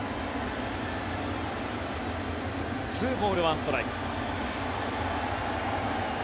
２ボール１ストライク。